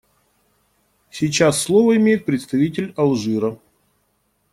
Сейчас слово имеет представитель Алжира.